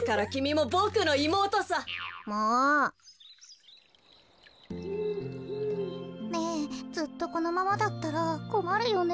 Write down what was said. もう。ねえずっとこのままだったらこまるよね。